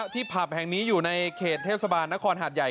ที่ผ่าบแห่งนี้อยู่ในเขตเทปสาบานนครหาดใหญ่